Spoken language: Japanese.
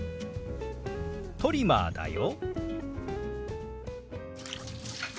「トリマーだよ」。